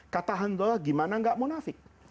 kata handola gimana gak munafik